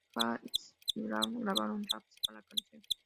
Jay-Z y Freeway grabaron raps para la canción.